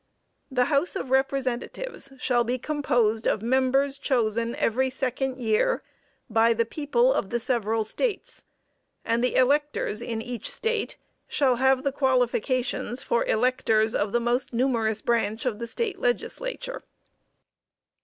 "The House of Representatives shall be composed of members chosen every second year, by the people of the several States; and the electors in each State shall have the qualifications for electors of the most numerous branch of the State legislature."